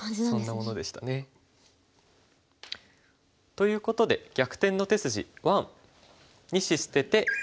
そんなものでしたね。ということで「逆転の手筋１」。